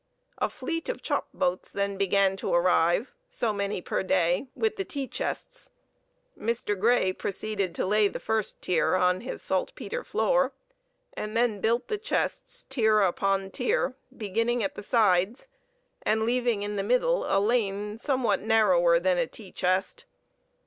A fleet of chop boats then began to arrive, so many per day, with the tea chests. Mr. Grey proceeded to lay the first tier on his saltpetre floor, and then built the chests, tier upon tier, beginning at the sides, and leaving in the middle a lane somewhat narrower than a tea chest.